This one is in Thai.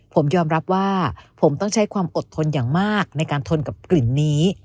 ผมยอมรับว่าผมต้องใช้ความอดทนอย่างมากในการทนกับกลิ่นนี้